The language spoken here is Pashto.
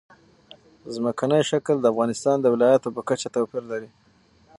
ځمکنی شکل د افغانستان د ولایاتو په کچه توپیر لري.